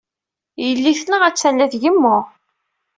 Yelli-tneɣ attan la tgemmu.